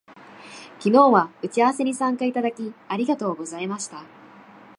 昨日は打ち合わせに参加いただき、ありがとうございました